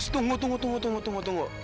tunggu tunggu tunggu